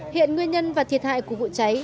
hiện nguyên nhân và thiệt hại của vụ cháy